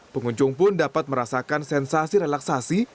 pengunjung pun dapat merasakan sensasi relaksasi